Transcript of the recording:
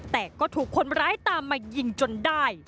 แต่ก็ถูกคนร้ายตามมายิงจนได้